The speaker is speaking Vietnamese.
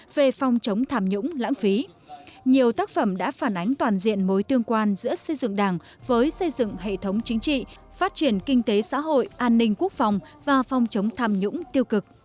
về phòng chống tham nhũng lãng phí nhiều tác phẩm đã phản ánh toàn diện mối tương quan giữa xây dựng đảng với xây dựng hệ thống chính trị phát triển kinh tế xã hội an ninh quốc phòng và phòng chống tham nhũng tiêu cực